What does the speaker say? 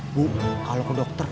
ibu kalau ke dokter